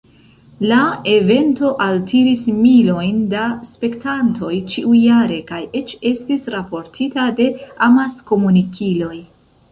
La evento altiris milojn da spektantoj ĉiujare kaj eĉ estis raportita de amaskomunikiloj.